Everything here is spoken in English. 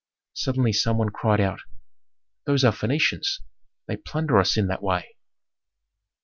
Suddenly some one cried out, "Those are Phœnicians! They plunder us in that way."